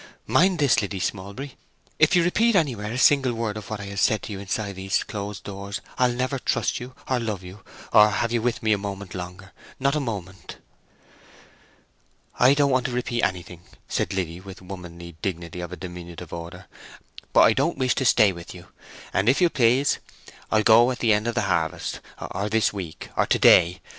"Mind this, Lydia Smallbury, if you repeat anywhere a single word of what I have said to you inside this closed door, I'll never trust you, or love you, or have you with me a moment longer—not a moment!" "I don't want to repeat anything," said Liddy, with womanly dignity of a diminutive order; "but I don't wish to stay with you. And, if you please, I'll go at the end of the harvest, or this week, or to day....